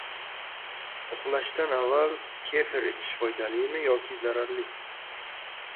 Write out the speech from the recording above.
Uxlashdan avval kefir ichish foydalimi yoki zararli?